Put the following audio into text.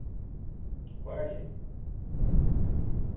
Vargem